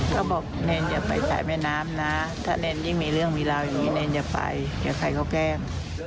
ก็บอกเณรอย่าไปใส่แม่น้ำนะถ้าเณรยิ่งมีเรื่องมีราวยังไงเวียดเหนียมไปแตนจนเป็นสิ่งที่เข้าแก้ว